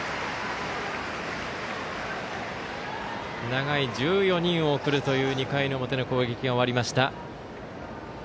長い１４人を送るという２回の表の攻撃が終わりました。